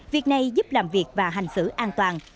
việc này giúp làm việc và hành xử an toàn